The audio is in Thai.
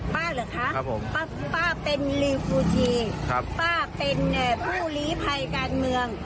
เหรอคะป้าเป็นลิวฟูชีป้าเป็นผู้ลีภัยการเมือง